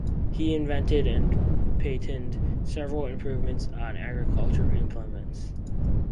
He invented and patented several improvements on agricultural implements.